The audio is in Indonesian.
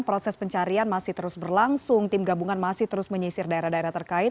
proses pencarian masih terus berlangsung tim gabungan masih terus menyisir daerah daerah terkait